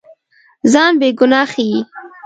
ځان بېګناه ښيي.